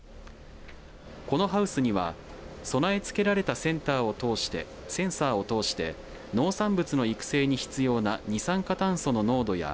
このハウスには備え付けられたセンサーを通して農産物の育成に必要な二酸化炭素の濃度や